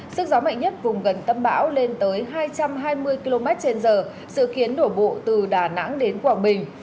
sức gió mạnh nhất vùng gần tâm bão lên tới hai trăm hai mươi km trên giờ dự kiến đổ bộ từ đà nẵng đến quảng bình